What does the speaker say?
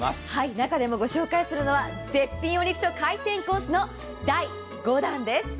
中でもご紹介するのは絶品お肉と海鮮コースの第５弾です。